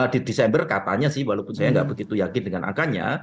di desember katanya sih walaupun saya nggak begitu yakin dengan angkanya